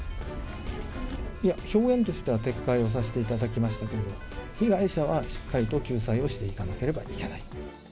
いや、表現としては撤回をさせていただきましたけど、被害者はしっかりと救済をしていかなければいけない。